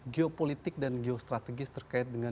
geopolitik dan geostrategis terkait dengan